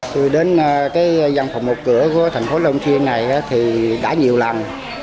từ đến dòng phòng một cửa của thành phố lông chuyên này thì đã nhiều lần